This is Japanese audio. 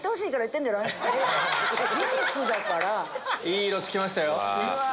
いい色付きましたよ！